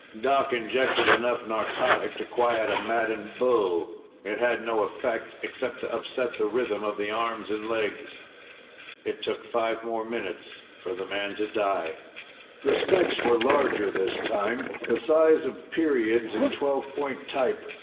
Doc injected enough narcotic to quiet a maddened bull. It had no effect, except to upset the rhythm of the arms and legs. It took five more minutes for the man to die. The specks were larger this time the size of periods in twelve point type.